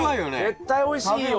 絶対おいしいよ。